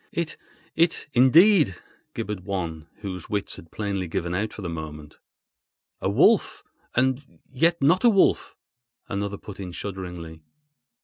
"It—it—indeed!" gibbered one, whose wits had plainly given out for the moment. "A wolf—and yet not a wolf!" another put in shudderingly.